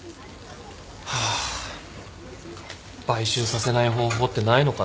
ハァ買収させない方法ってないのかな。